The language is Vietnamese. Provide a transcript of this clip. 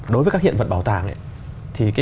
đối với các hiện vật bảo tàng thì